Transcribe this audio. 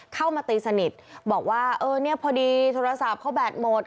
เข้ามาตีสนิทบอกว่าพอดีโทรศัพท์เขาแบตหมด